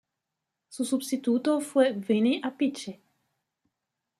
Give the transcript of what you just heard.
Su sustituto fue Vinny Appice.